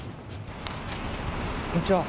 こんにちは。